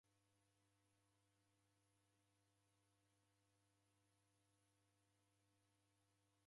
Kukakaoghosha mwana, kumzire mghongo.